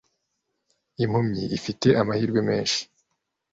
Impumyi ifite amahirwe menshi